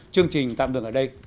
chương trình tạm đường ở đây